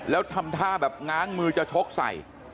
แล้วทำท่าแบบง้างมือจะชกใส่